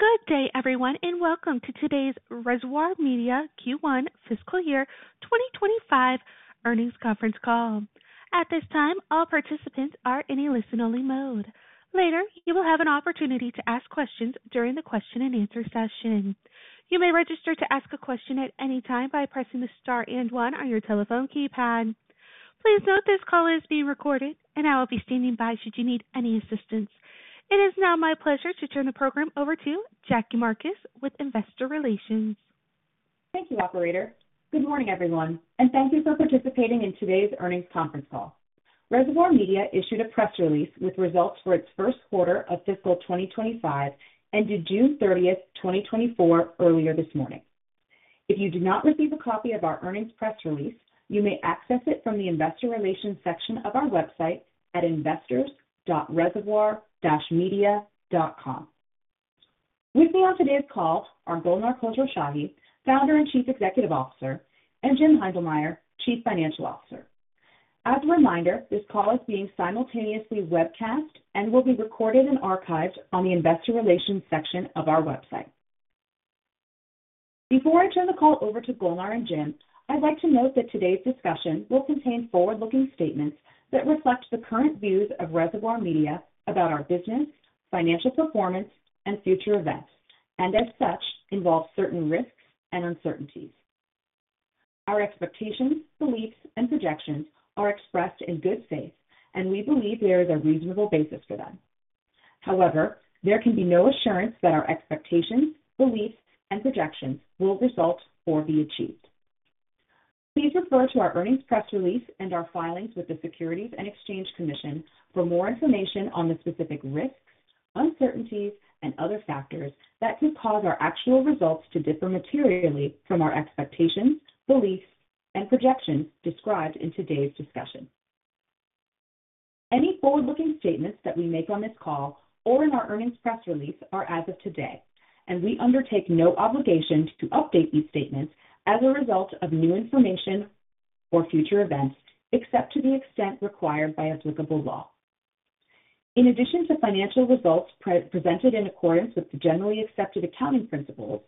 Good day, everyone, and welcome to today's Reservoir Media Q1 Fiscal Year 2025 earnings conference call. At this time, all participants are in a listen-only mode. Later, you will have an opportunity to ask questions during the question-and-answer session. You may register to ask a question at any time by pressing the star and one on your telephone keypad. Please note this call is being recorded, and I will be standing by should you need any assistance. It is now my pleasure to turn the program over to Jackie Marcus with Investor Relations. Thank you, Operator. Good morning, everyone, and thank you for participating in today's earnings conference call. Reservoir Media issued a press release with results for its first quarter of fiscal 2025 ended June 30th, 2024, earlier this morning. If you did not receive a copy of our earnings press release, you may access it from the Investor Relations section of our website at investors.reservoir-media.com. With me on today's call are Golnar Khosrowshahi, Founder and Chief Executive Officer, and Jim Heindlmeyer, Chief Financial Officer. As a reminder, this call is being simultaneously webcast and will be recorded and archived on the Investor Relations section of our website. Before I turn the call over to Golnar and Jim, I'd like to note that today's discussion will contain forward-looking statements that reflect the current views of Reservoir Media about our business, financial performance, and future events, and as such, involve certain risks and uncertainties. Our expectations, beliefs, and projections are expressed in good faith, and we believe there is a reasonable basis for them. However, there can be no assurance that our expectations, beliefs, and projections will result or be achieved. Please refer to our earnings press release and our filings with the Securities and Exchange Commission for more information on the specific risks, uncertainties, and other factors that could cause our actual results to differ materially from our expectations, beliefs, and projections described in today's discussion. Any forward-looking statements that we make on this call or in our earnings press release are as of today, and we undertake no obligation to update these statements as a result of new information or future events, except to the extent required by applicable law. In addition to financial results presented in accordance with the generally accepted accounting principles,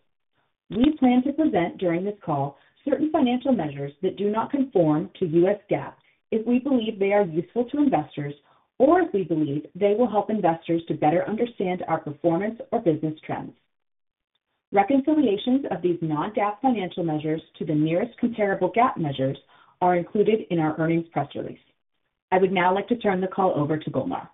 we plan to present during this call certain financial measures that do not conform to U.S. GAAP if we believe they are useful to investors or if we believe they will help investors to better understand our performance or business trends. Reconciliations of these non-GAAP financial measures to the nearest comparable GAAP measures are included in our earnings press release. I would now like to turn the call over to Golnar.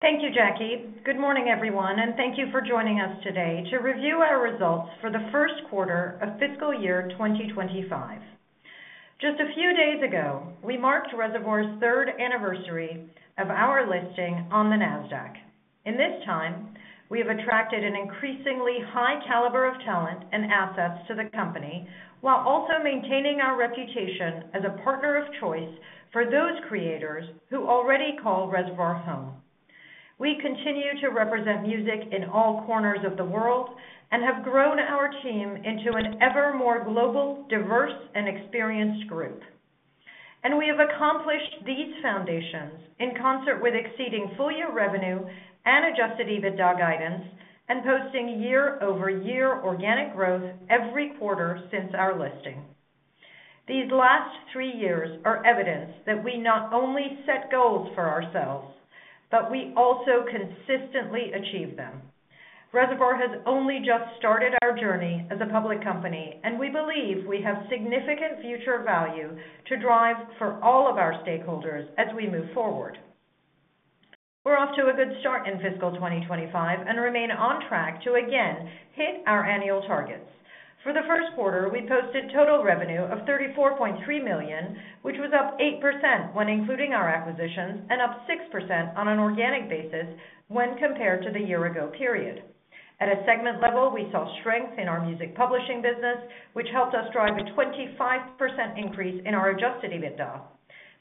Thank you, Jackie. Good morning, everyone, and thank you for joining us today to review our results for the first quarter of fiscal year 2025. Just a few days ago, we marked Reservoir's third anniversary of our listing on the NASDAQ. In this time, we have attracted an increasingly high caliber of talent and assets to the company while also maintaining our reputation as a partner of choice for those creators who already call Reservoir home. We continue to represent music in all corners of the world and have grown our team into an ever more global, diverse, and experienced group. We have accomplished these foundations in concert with exceeding full year revenue and Adjusted EBITDA guidance and posting year-over-year organic growth every quarter since our listing. These last three years are evidence that we not only set goals for ourselves, but we also consistently achieve them. Reservoir has only just started our journey as a public company, and we believe we have significant future value to drive for all of our stakeholders as we move forward. We're off to a good start in fiscal 2025 and remain on track to again hit our annual targets. For the first quarter, we posted total revenue of $34.3 million, which was up 8% when including our acquisitions and up 6% on an organic basis when compared to the year-ago period. At a segment level, we saw strength in our music publishing business, which helped us drive a 25% increase in our Adjusted EBITDA.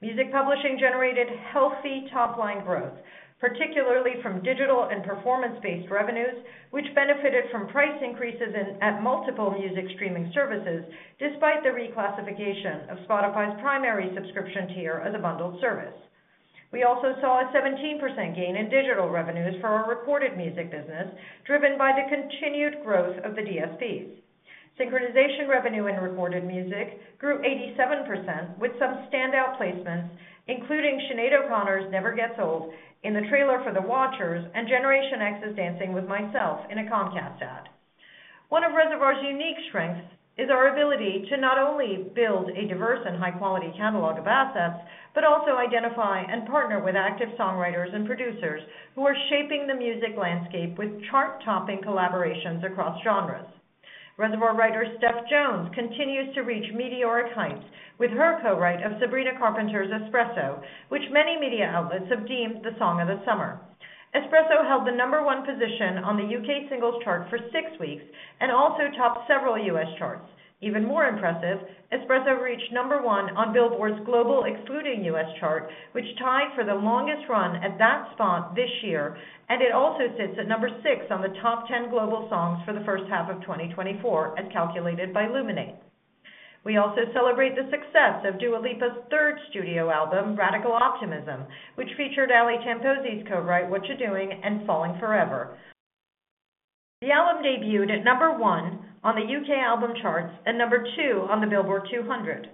Music publishing generated healthy top-line growth, particularly from digital and performance-based revenues, which benefited from price increases at multiple music streaming services despite the reclassification of Spotify's primary subscription tier as a bundled service. We also saw a 17% gain in digital revenues for our recorded music business, driven by the continued growth of the DSPs. Synchronization revenue in recorded music grew 87% with some standout placements, including Sinead O'Connor's "Never Gets Old" in the trailer for The Watchers and Generation X's "Dancing With Myself" in a Comcast ad. One of Reservoir's unique strengths is our ability to not only build a diverse and high-quality catalog of assets but also identify and partner with active songwriters and producers who are shaping the music landscape with chart-topping collaborations across genres. Reservoir writer Steph Jones continues to reach meteoric heights with her co-write of Sabrina Carpenter's "Espresso," which many media outlets have deemed the song of the summer. "Espresso" held the number one position on the U.K. singles chart for six weeks and also topped several U.S. charts. Even more impressive, "Espresso" reached number 1 on Billboard's global excluding U.S. chart, which tied for the longest run at that spot this year, and it also sits at number 6 on the top 10 global songs for the first half of 2024 as calculated by Luminate. We also celebrate the success of Dua Lipa's third studio album, "Radical Optimism," which featured Ali Tamposi's co-write "Whatcha Doing" and "Falling Forever." The album debuted at number 1 on the U.K. album charts and number 2 on the Billboard 200.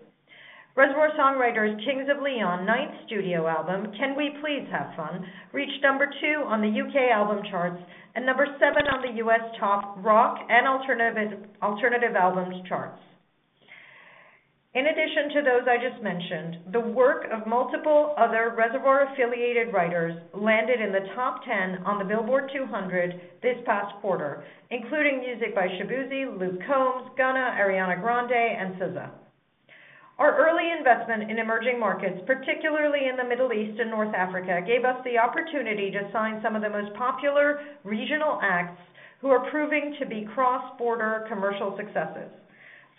Reservoir songwriters Kings of Leon's ninth studio album, "Can We Please Have Fun," reached number 2 on the U.K. album charts and number 7 on the U.S. top rock and alternative albums charts. In addition to those I just mentioned, the work of multiple other Reservoir-affiliated writers landed in the top 10 on the Billboard 200 this past quarter, including music by Shaboozey, Luke Combs, Gunna, Ariana Grande, and SZA. Our early investment in emerging markets, particularly in the Middle East and North Africa, gave us the opportunity to sign some of the most popular regional acts who are proving to be cross-border commercial successes.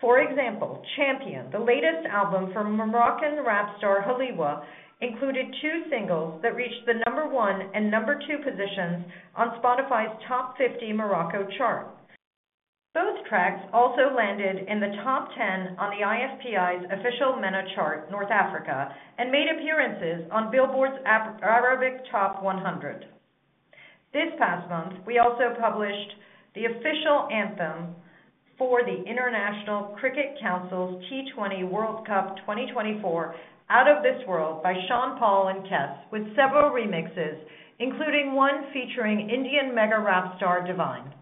For example, "Champion," the latest album for Moroccan rap star 7liwa, included two singles that reached the number 1 and number 2 positions on Spotify's top 50 Morocco chart. Both tracks also landed in the top 10 on the IFPI's official MENA chart North Africa and made appearances on Billboard's Arabic top 100. This past month, we also published the official anthem for the International Cricket Council's T20 World Cup 2024 "Out of This World" by Sean Paul and Kes, with several remixes, including one featuring Indian rap star Divine.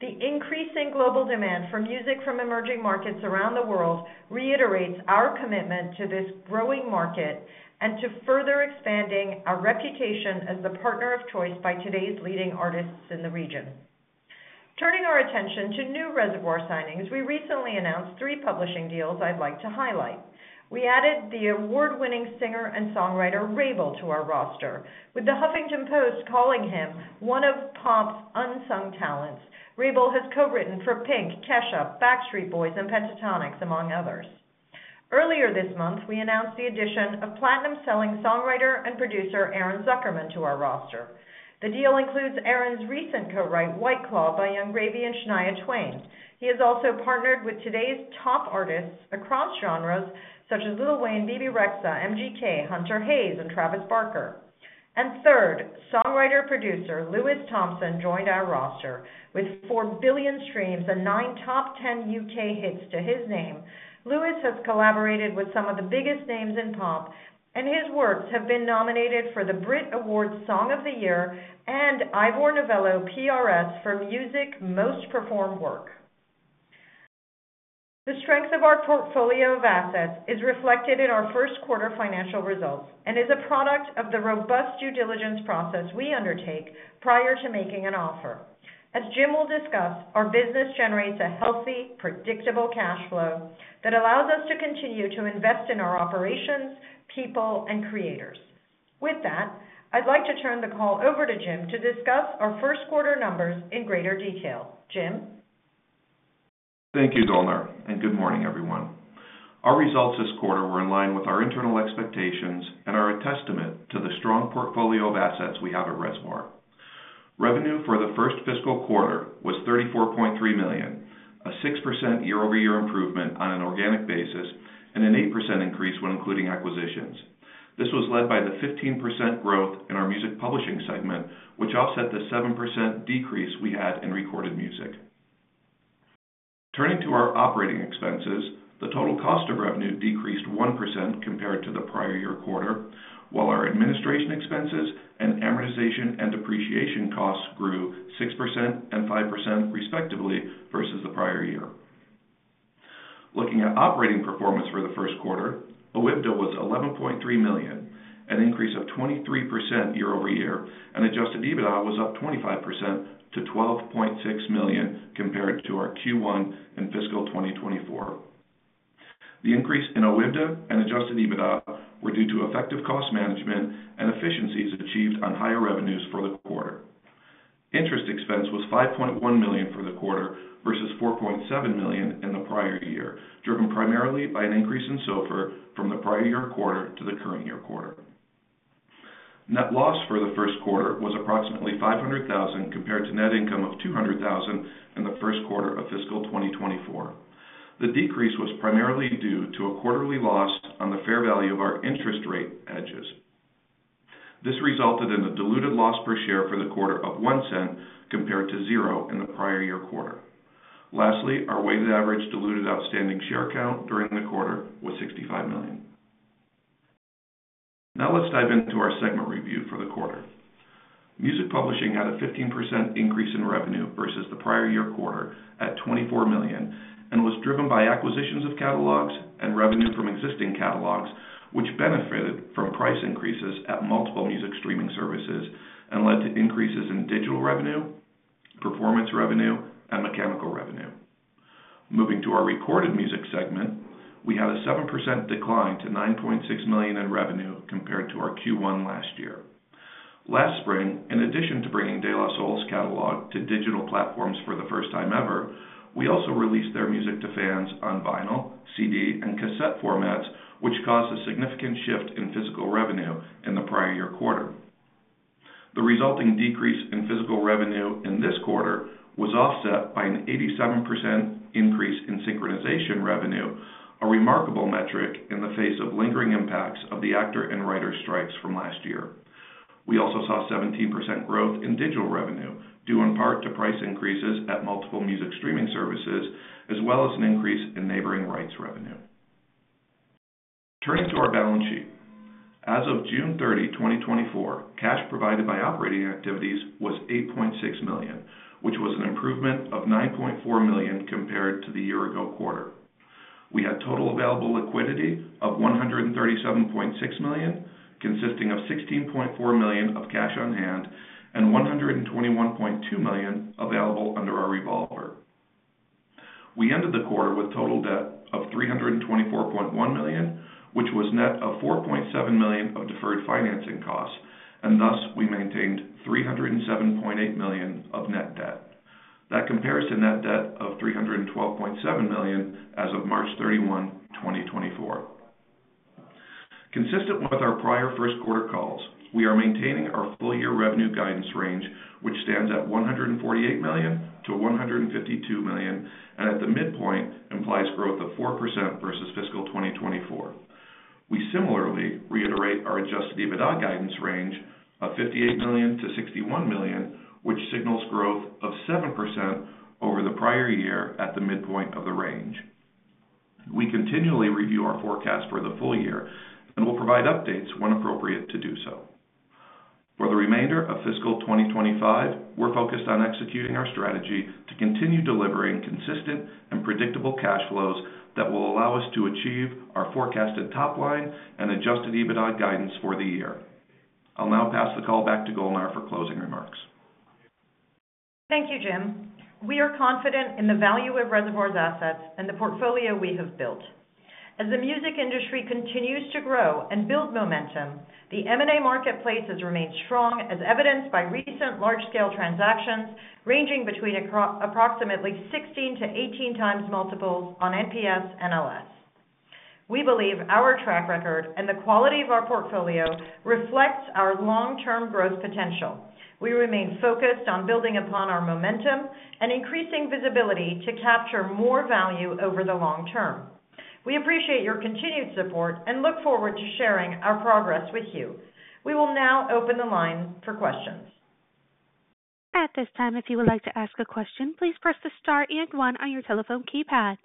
The increasing global demand for music from emerging markets around the world reiterates our commitment to this growing market and to further expanding our reputation as the partner of choice by today's leading artists in the region. Turning our attention to new Reservoir signings, we recently announced three publishing deals I'd like to highlight. We added the award-winning singer and songwriter Wrabel to our roster, with The Huffington Post calling him one of pop's unsung talents. Wrabel has co-written for P!nk, Kesha, Backstreet Boys, and Pentatonix, among others. Earlier this month, we announced the addition of platinum-selling songwriter and producer Aaron Zuckerman to our roster. The deal includes Aaron's recent co-write "White Claw" by Yung Gravy and Shania Twain. He has also partnered with today's top artists across genres such as Lil Wayne, Bebe Rexha, MGK, Hunter Hayes, and Travis Barker. And third, songwriter-producer Lewis Thompson joined our roster. With 4 billion streams and 9 top 10 U.K. hits to his name, Lewis has collaborated with some of the biggest names in pop, and his works have been nominated for the Brit Awards Song of the Year and Ivor Novello PRS for Music Most Performed Work. The strength of our portfolio of assets is reflected in our first quarter financial results and is a product of the robust due diligence process we undertake prior to making an offer. As Jim will discuss, our business generates a healthy, predictable cash flow that allows us to continue to invest in our operations, people, and creators. With that, I'd like to turn the call over to Jim to discuss our first quarter numbers in greater detail. Jim. Thank you, Golnar, and good morning, everyone. Our results this quarter were in line with our internal expectations and are a testament to the strong portfolio of assets we have at Reservoir. Revenue for the first fiscal quarter was $34.3 million, a 6% year-over-year improvement on an organic basis, and an 8% increase when including acquisitions. This was led by the 15% growth in our music publishing segment, which offset the 7% decrease we had in recorded music. Turning to our operating expenses, the total cost of revenue decreased 1% compared to the prior year quarter, while our administration expenses and amortization and depreciation costs grew 6% and 5% respectively versus the prior year. Looking at operating performance for the first quarter, OIBDA was $11.3 million, an increase of 23% year-over-year, and adjusted EBITDA was up 25% to $12.6 million compared to our Q1 and fiscal 2024. The increase in OIBDA and adjusted EBITDA were due to effective cost management and efficiencies achieved on higher revenues for the quarter. Interest expense was $5.1 million for the quarter versus $4.7 million in the prior year, driven primarily by an increase in SOFR from the prior year quarter to the current year quarter. Net loss for the first quarter was approximately $500,000 compared to net income of $200,000 in the first quarter of fiscal 2024. The decrease was primarily due to a quarterly loss on the fair value of our interest rate hedges. This resulted in a diluted loss per share for the quarter of $0.01 compared to zero in the prior year quarter. Lastly, our weighted average diluted outstanding share count during the quarter was 65 million. Now let's dive into our segment review for the quarter. Music publishing had a 15% increase in revenue versus the prior year quarter at $24 million and was driven by acquisitions of catalogs and revenue from existing catalogs, which benefited from price increases at multiple music streaming services and led to increases in digital revenue, performance revenue, and mechanical revenue. Moving to our recorded music segment, we had a 7% decline to $9.6 million in revenue compared to our Q1 last year. Last spring, in addition to bringing De La Soul's catalog to digital platforms for the first time ever, we also released their music to fans on vinyl, CD, and cassette formats, which caused a significant shift in physical revenue in the prior year quarter. The resulting decrease in physical revenue in this quarter was offset by an 87% increase in synchronization revenue, a remarkable metric in the face of lingering impacts of the actor and writer strikes from last year. We also saw 17% growth in digital revenue due in part to price increases at multiple music streaming services, as well as an increase in neighboring rights revenue. Turning to our balance sheet, as of June 30, 2024, cash provided by operating activities was $8.6 million, which was an improvement of $9.4 million compared to the year-ago quarter. We had total available liquidity of $137.6 million, consisting of $16.4 million of cash on hand and $121.2 million available under our revolver. We ended the quarter with total debt of $324.1 million, which was net of $4.7 million of deferred financing costs, and thus we maintained $307.8 million of net debt. That compares to net debt of $312.7 million as of March 31, 2024. Consistent with our prior first quarter calls, we are maintaining our full year revenue guidance range, which stands at $148 million-$152 million, and at the midpoint implies growth of 4% versus fiscal 2024. We similarly reiterate our adjusted EBITDA guidance range of $58 million-$61 million, which signals growth of 7% over the prior year at the midpoint of the range. We continually review our forecast for the full year and will provide updates when appropriate to do so. For the remainder of fiscal 2025, we're focused on executing our strategy to continue delivering consistent and predictable cash flows that will allow us to achieve our forecasted top line and adjusted EBITDA guidance for the year. I'll now pass the call back to Golnar for closing remarks. Thank you, Jim. We are confident in the value of Reservoir's assets and the portfolio we have built. As the music industry continues to grow and build momentum, the M&A marketplace has remained strong, as evidenced by recent large-scale transactions ranging between approximately 16x-18x multiples on NPS and NLS. We believe our track record and the quality of our portfolio reflects our long-term growth potential. We remain focused on building upon our momentum and increasing visibility to capture more value over the long term. We appreciate your continued support and look forward to sharing our progress with you. We will now open the line for questions. At this time, if you would like to ask a question, please press the Star and 1 on your telephone keypad.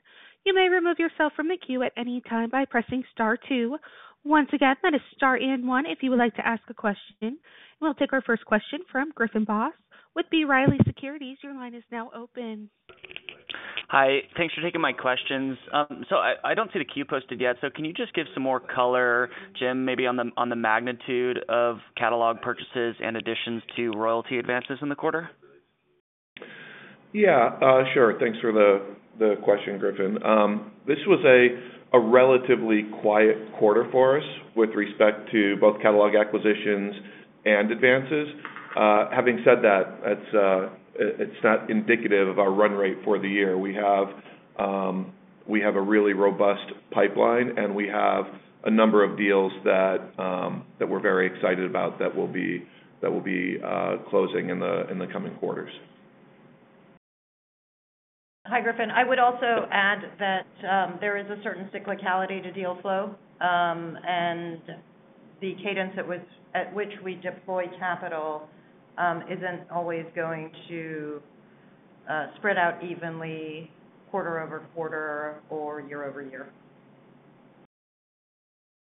You may remove yourself from the queue at any time by pressing Star 2. Once again, that is Star and 1 if you would like to ask a question. We'll take our first question from Griffin Boss with B. Riley Securities. Your line is now open. Hi. Thanks for taking my questions. So I don't see the queue posted yet, so can you just give some more color, Jim, maybe on the magnitude of catalog purchases and additions to royalty advances in the quarter? Yeah, sure. Thanks for the question, Griffin. This was a relatively quiet quarter for us with respect to both catalog acquisitions and advances. Having said that, it's not indicative of our run rate for the year. We have a really robust pipeline, and we have a number of deals that we're very excited about that we'll be closing in the coming quarters. Hi, Griffin. I would also add that there is a certain cyclicality to deal flow, and the cadence at which we deploy capital isn't always going to spread out evenly quarter-over-quarter or year-over-year.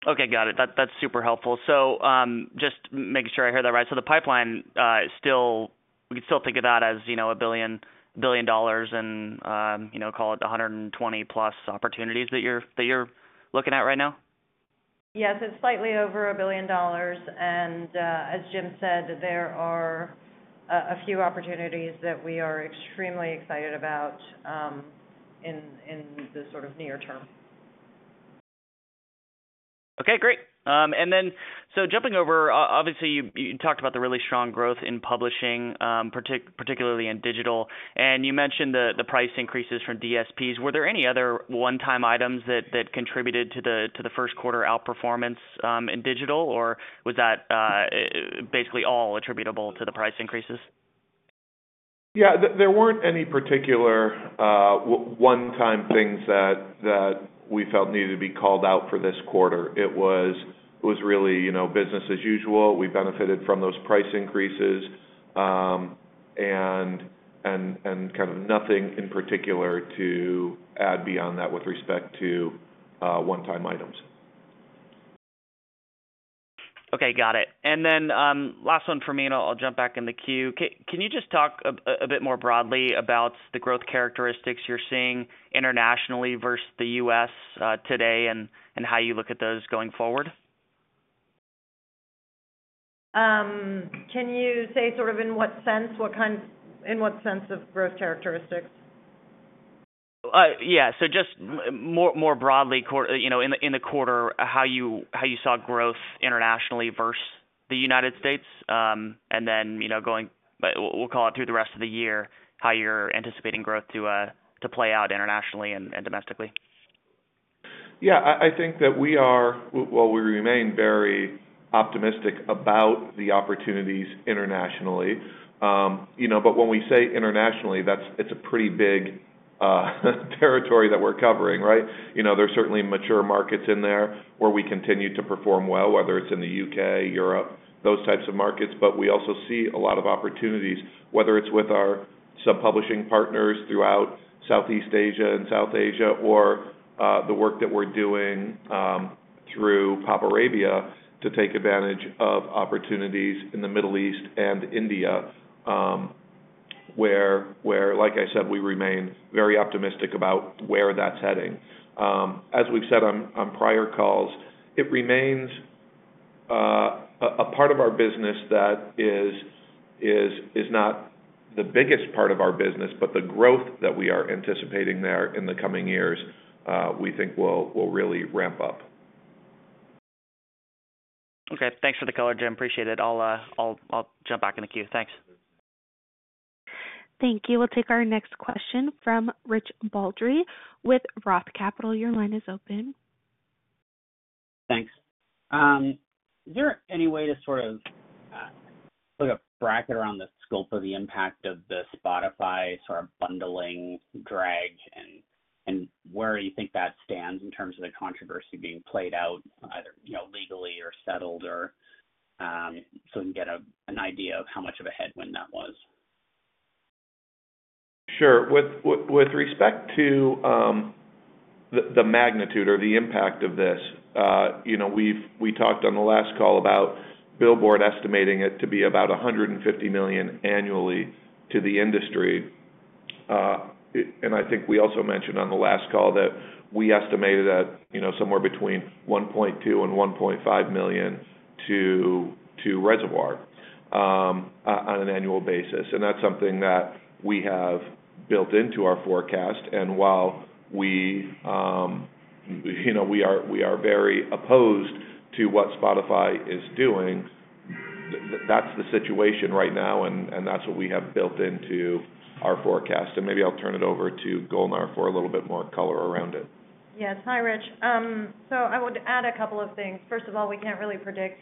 Okay, got it. That's super helpful. So just making sure I hear that right, so the pipeline still, we can still think of that as $1 billion and call it 120+ opportunities that you're looking at right now? Yes, it's slightly over $1 billion. As Jim said, there are a few opportunities that we are extremely excited about in the sort of near term. Okay, great. And then so jumping over, obviously, you talked about the really strong growth in publishing, particularly in digital, and you mentioned the price increases from DSPs. Were there any other one-time items that contributed to the first quarter outperformance in digital, or was that basically all attributable to the price increases? Yeah, there weren't any particular one-time things that we felt needed to be called out for this quarter. It was really business as usual. We benefited from those price increases and kind of nothing in particular to add beyond that with respect to one-time items. Okay, got it. And then last one for me, and I'll jump back in the queue. Can you just talk a bit more broadly about the growth characteristics you're seeing internationally versus the U.S. today and how you look at those going forward? Can you say sort of in what sense, in what sense of growth characteristics? Yeah, so just more broadly in the quarter, how you saw growth internationally versus the United States, and then going, we'll call it through the rest of the year, how you're anticipating growth to play out internationally and domestically? Yeah, I think that we are, well, we remain very optimistic about the opportunities internationally. But when we say internationally, it's a pretty big territory that we're covering, right? There's certainly mature markets in there where we continue to perform well, whether it's in the U.K., Europe, those types of markets. But we also see a lot of opportunities, whether it's with our sub-publishing partners throughout Southeast Asia and South Asia or the work that we're doing through PopArabia to take advantage of opportunities in the Middle East and India, where, like I said, we remain very optimistic about where that's heading. As we've said on prior calls, it remains a part of our business that is not the biggest part of our business, but the growth that we are anticipating there in the coming years, we think will really ramp up. Okay, thanks for the color, Jim. Appreciate it. I'll jump back in the queue. Thanks. Thank you. We'll take our next question from Rich Baldry with Roth Capital. Your line is open. Thanks. Is there any way to sort of put a bracket around the scope of the impact of the Spotify sort of bundling drag, and where do you think that stands in terms of the controversy being played out either legally or settled, so we can get an idea of how much of a headwind that was? Sure. With respect to the magnitude or the impact of this, we talked on the last call about Billboard estimating it to be about $150 million annually to the industry. I think we also mentioned on the last call that we estimated at somewhere between $1.2-$1.5 million to Reservoir on an annual basis. That's something that we have built into our forecast. While we are very opposed to what Spotify is doing, that's the situation right now, and that's what we have built into our forecast. Maybe I'll turn it over to Golnar for a little bit more color around it. Yes. Hi, Rich. So I would add a couple of things. First of all, we can't really predict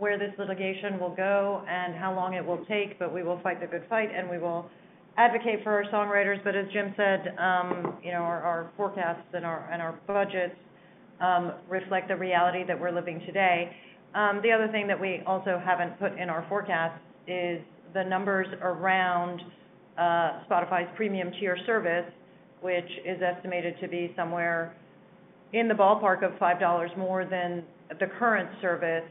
where this litigation will go and how long it will take, but we will fight the good fight, and we will advocate for our songwriters. But as Jim said, our forecasts and our budgets reflect the reality that we're living today. The other thing that we also haven't put in our forecast is the numbers around Spotify's premium tier service, which is estimated to be somewhere in the ballpark of $5 more than the current service,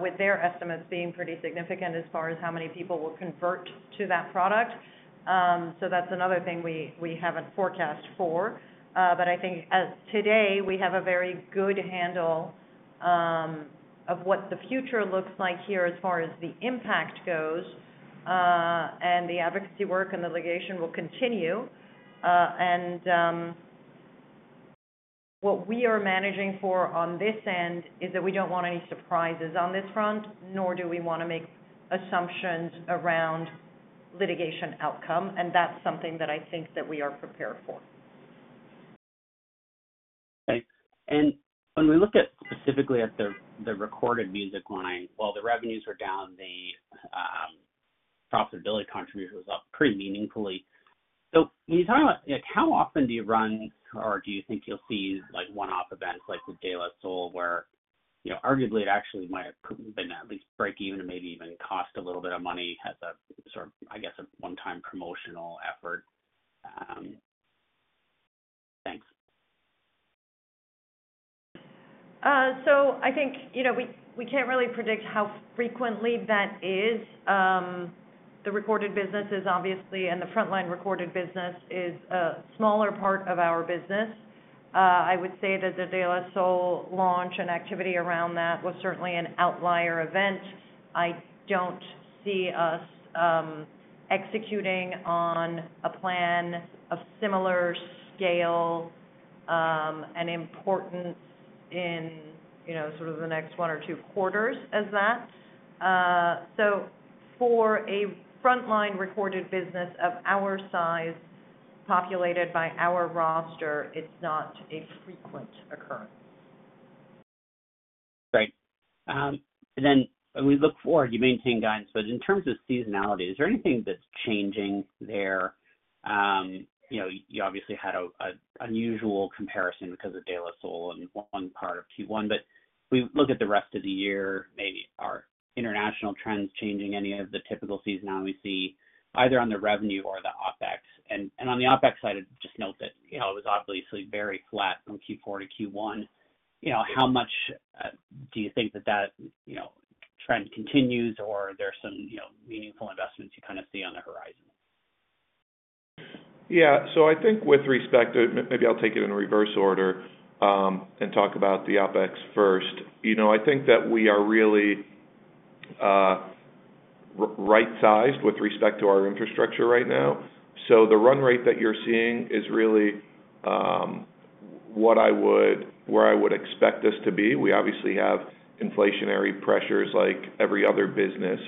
with their estimates being pretty significant as far as how many people will convert to that product. So that's another thing we haven't forecast for. But I think today we have a very good handle of what the future looks like here as far as the impact goes, and the advocacy work and the litigation will continue. And what we are managing for on this end is that we don't want any surprises on this front, nor do we want to make assumptions around litigation outcome. And that's something that I think that we are prepared for. Okay. When we look specifically at the recorded music line, while the revenues were down, the profitability contribution was up pretty meaningfully. So when you talk about how often do you run or do you think you'll see one-off events like with De La Soul, where arguably it actually might have been at least break even and maybe even cost a little bit of money as a sort of, I guess, a one-time promotional effort? Thanks. I think we can't really predict how frequently that is. The recorded business is obviously, and the frontline recorded business is a smaller part of our business. I would say that the De La Soul launch and activity around that was certainly an outlier event. I don't see us executing on a plan of similar scale and importance in sort of the next one or two quarters as that. For a frontline recorded business of our size, populated by our roster, it's not a frequent occurrence. Okay. And then we look forward, you maintain guidance, but in terms of seasonality, is there anything that's changing there? You obviously had an unusual comparison because of De La Soul and one part of Q1, but we look at the rest of the year, maybe our international trends changing any of the typical seasonality we see either on the revenue or the OpEx? And on the OpEx side, just note that it was obviously very flat from Q4 to Q1. How much do you think that that trend continues, or are there some meaningful investments you kind of see on the horizon? Yeah. So I think with respect to, maybe I'll take it in reverse order and talk about the OpEx first. I think that we are really right-sized with respect to our infrastructure right now. So the run rate that you're seeing is really where I would expect us to be. We obviously have inflationary pressures like every other business,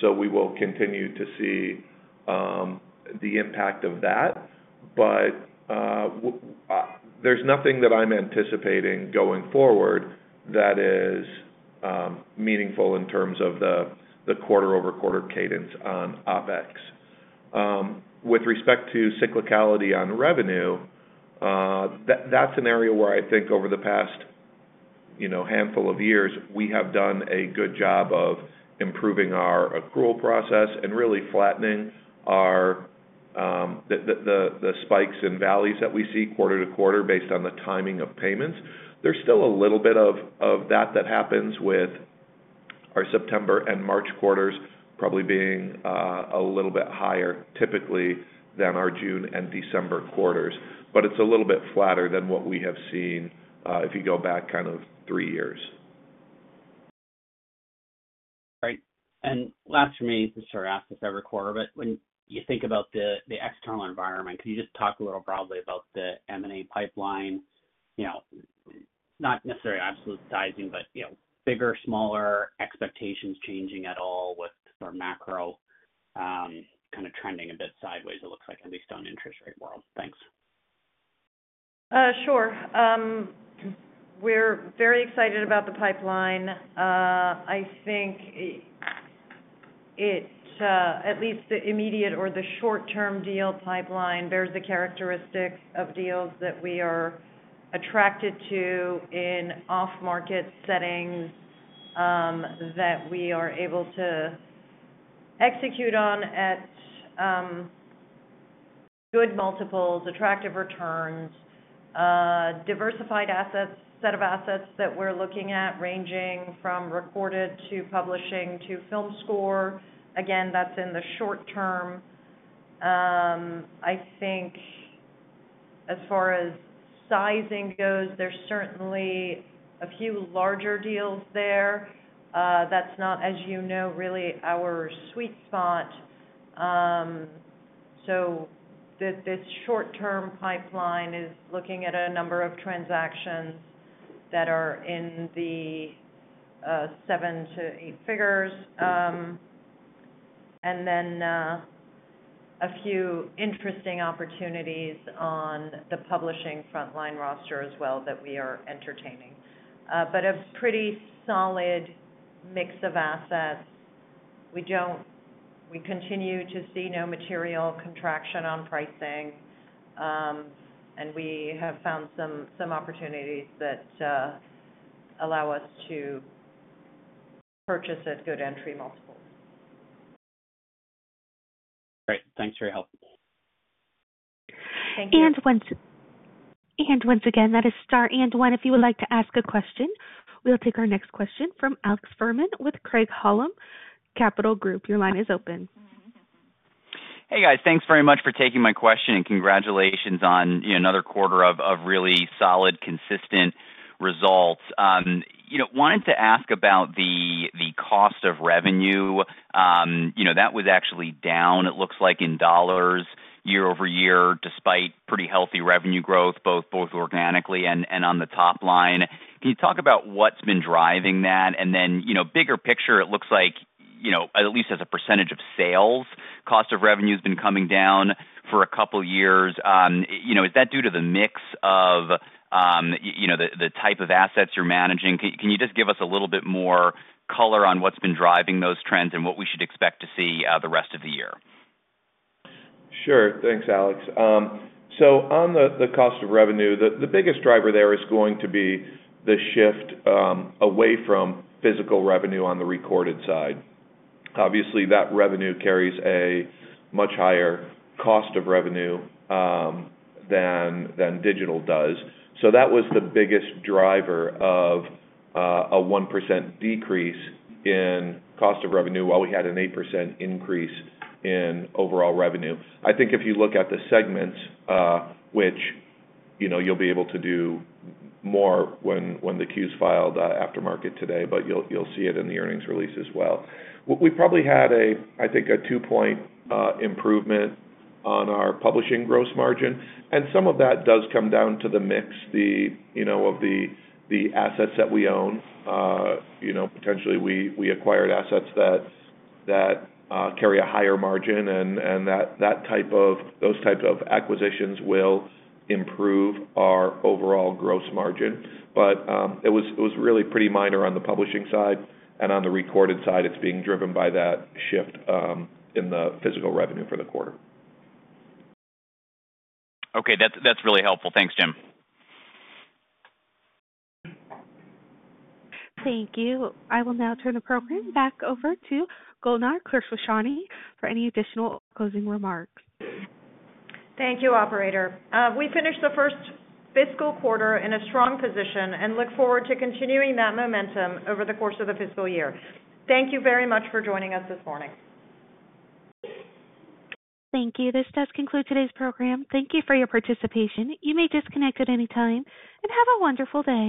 so we will continue to see the impact of that. But there's nothing that I'm anticipating going forward that is meaningful in terms of the quarter-over-quarter cadence on OpEx. With respect to cyclicality on revenue, that's an area where I think over the past handful of years, we have done a good job of improving our accrual process and really flattening the spikes and valleys that we see quarter to quarter based on the timing of payments. There's still a little bit of that that happens with our September and March quarters probably being a little bit higher typically than our June and December quarters, but it's a little bit flatter than what we have seen if you go back kind of three years. All right. And last for me, just sort of ask this every quarter, but when you think about the external environment, can you just talk a little broadly about the M&A pipeline? Not necessarily absolute sizing, but bigger, smaller expectations changing at all with sort of macro kind of trending a bit sideways, it looks like, at least on interest rate world. Thanks. Sure. We're very excited about the pipeline. I think at least the immediate or the short-term deal pipeline bears the characteristics of deals that we are attracted to in off-market settings that we are able to execute on at good multiples, attractive returns, diversified assets, set of assets that we're looking at ranging from recorded to publishing to film score. Again, that's in the short term. I think as far as sizing goes, there's certainly a few larger deals there. That's not, as you know, really our sweet spot. So this short-term pipeline is looking at a number of transactions that are in the 7- to 8-figure range, and then a few interesting opportunities on the publishing frontline roster as well that we are entertaining. But a pretty solid mix of assets. We continue to see no material contraction on pricing, and we have found some opportunities that allow us to purchase at good entry multiples. Great. Thanks for your help. Thank you. And once again, that is star and one. If you would like to ask a question, we'll take our next question from Alex Fuhrman with Craig-Hallum Capital Group. Your line is open. Hey, guys. Thanks very much for taking my question, and congratulations on another quarter of really solid, consistent results. Wanted to ask about the cost of revenue. That was actually down, it looks like, in dollars year-over-year, despite pretty healthy revenue growth both organically and on the top line. Can you talk about what's been driving that? And then bigger picture, it looks like, at least as a percentage of sales, cost of revenue has been coming down for a couple of years. Is that due to the mix of the type of assets you're managing? Can you just give us a little bit more color on what's been driving those trends and what we should expect to see the rest of the year? Sure. Thanks, Alex. So on the cost of revenue, the biggest driver there is going to be the shift away from physical revenue on the recorded side. Obviously, that revenue carries a much higher cost of revenue than digital does. So that was the biggest driver of a 1% decrease in cost of revenue while we had an 8% increase in overall revenue. I think if you look at the segments, which you'll be able to do more when the 10-Q's filed after market today, but you'll see it in the earnings release as well. We probably had, I think, a 2-point improvement on our publishing gross margin. And some of that does come down to the mix of the assets that we own. Potentially, we acquired assets that carry a higher margin, and those types of acquisitions will improve our overall gross margin. But it was really pretty minor on the publishing side, and on the recorded side, it's being driven by that shift in the physical revenue for the quarter. Okay. That's really helpful. Thanks, Jim. Thank you. I will now turn the program back over to Golnar Khosrowshahi for any additional closing remarks. Thank you, Operator. We finished the first fiscal quarter in a strong position and look forward to continuing that momentum over the course of the fiscal year. Thank you very much for joining us this morning. Thank you. This does conclude today's program. Thank you for your participation. You may disconnect at any time, and have a wonderful day.